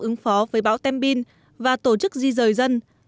ứng phó với bão tembin và tổ chức di rời dân